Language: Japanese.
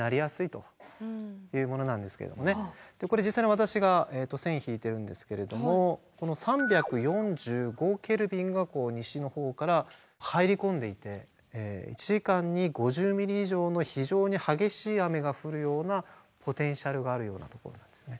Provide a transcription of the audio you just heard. これ実際に私が線引いてるんですけれどもこの３４５ケルビンが西の方から入り込んでいて１時間に５０ｍｍ以上の非常に激しい雨が降るようなポテンシャルがあるようなところなんですね。